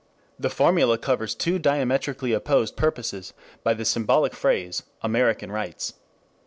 The formula covers two diametrically opposed purposes by the symbolic phrase "American rights."